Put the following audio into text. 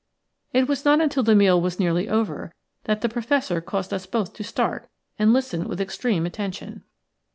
It was not until the meal was nearly over that the Professor caused us both to start, and listen with extreme attention.